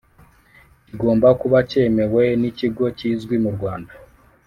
kigomba kuba cyemewe n Ikigo kizwi mu rwanda